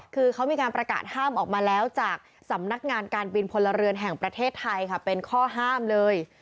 คือเขามีการประกาศห้ามออกมาแล้วจากสำนักงานการบินพลเรือนแห่งประเทศไทยค่ะเป็นข้อห้ามเลย